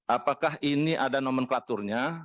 apakah ini ada nomenklaturnya